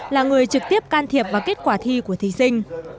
là người trực tiếp can thiệp vào kết quả thi của thí sinh